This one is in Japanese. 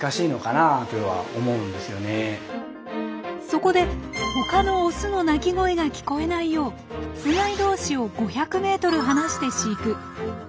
そこで他のオスの鳴き声が聞こえないようつがい同士を５００ｍ離して飼育。